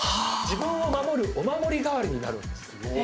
自分を守るお守り代わりになるんです。